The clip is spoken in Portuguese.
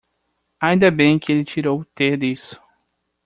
Ainda bem que ele tirou o "T" disso.